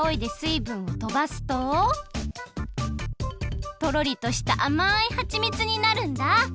いぶんをとばすととろりとしたあまいはちみつになるんだ。